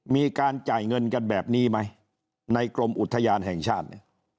มีการจ่ายเงินกันแบบนี้ไหมในกรมอุทยานแห่งชาติเนี่ย